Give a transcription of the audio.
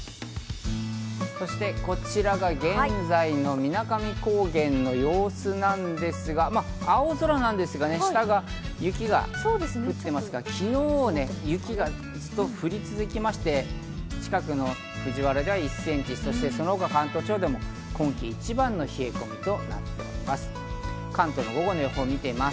そしてこちらが現在の水上高原の様子なんですが、青空なんですが、下が雪が降ってますが昨日、雪がずっと降り続きまして、近くの藤原では１センチ、その他でも今季一番の冷え込みとなっています。